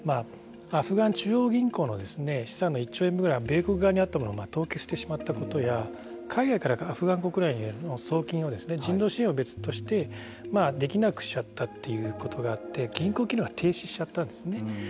アフガン中央銀行の資産が１兆円分ぐらい米国にあったものを凍結してしまったことや海外からアフガン国内への送金を人道支援を別としてできなくしちゃったということがあって銀行機能が停止しちゃったんですね。